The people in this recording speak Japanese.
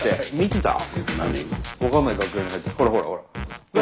ほらほらほら。